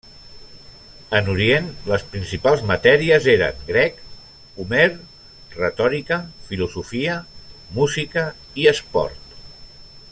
En orient, les principals matèries eren Grec, Homer, Retòrica, Filosofia, Música i Esport.